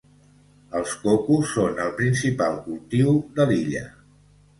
Els cocos són el principal cultiu de l'illa.